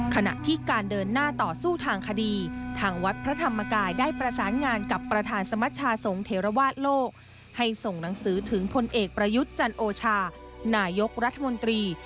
ขณะที่การเดินหน้าต่อสู้ทางคดีทางวัดพระธรรมกายได้ประสานงานกับประธานสมชาสงฆ์เทราวาสโลกให้ส่งหนังสือถึงพลเอกประยุทธ์จันโอชานายกรัฐมนตรี